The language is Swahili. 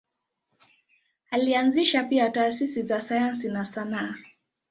Alianzisha pia taasisi za sayansi na sanaa.